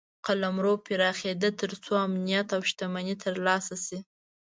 قلمرو پراخېده تر څو امنیت او شتمني ترلاسه شي.